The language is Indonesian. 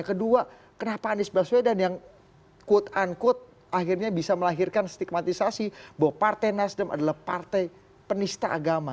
yang kedua kenapa anies basuwiran yang quote unquote akhirnya bisa melahirkan stigmatisasi bahwa partai nasdim adalah partai pendistagama